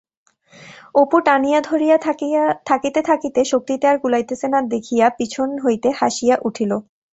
অপু টানিয়া ধরিয়া থাকিতে থাকিতে শক্তিতে আর কুলাইতেছে না দেখিয়া পিছন হইতে হাসিয়া উঠিল।